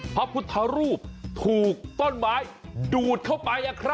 พระพุทธรูปถูกต้อนหมายดูดเข้าไปนะครับ